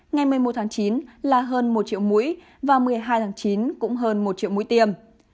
ngày một mươi một tháng chín là hơn một triệu mũi và một mươi hai tháng chín cũng hơn một triệu mũi tiêm